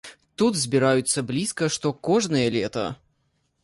Тут збіраюцца блізка што кожнае лета.